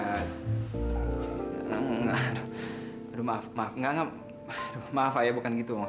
aduh maaf maaf ayah bukan gitu maksudnya